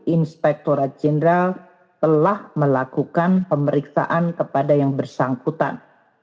inspektora jenderal telah melakukan pemeriksaan kepada yang bersangkutan